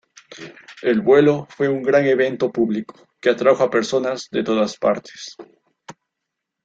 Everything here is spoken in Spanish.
El vuelo fue un gran evento público, que atrajo a personas de todas partes.